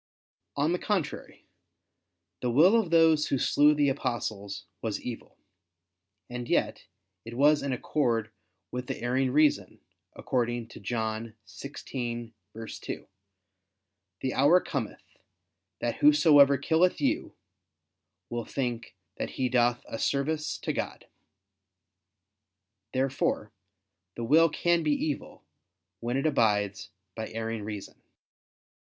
On the contrary, The will of those who slew the apostles was evil. And yet it was in accord with the erring reason, according to John 16:2: "The hour cometh, that whosoever killeth you, will think that he doth a service to God." Therefore the will can be evil, when it abides by erring reason.